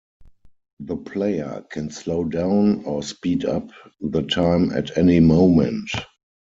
The player can slow down or speed up the time at any moment.